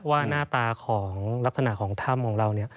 ว่าหน้าตาของลักษณะของถ้ำของเราเนี่ย